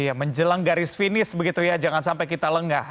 iya menjelang garis finish begitu ya jangan sampai kita lengah